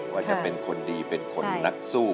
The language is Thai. ว่าจะเป็นคนดีเป็นคนนักสู้